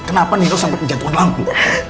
kenapa nino sampai terjatuhkan lampu